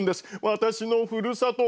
私のふるさと